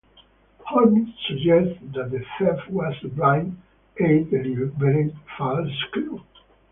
Holmes suggests that the theft was a blind-a deliberate false clue.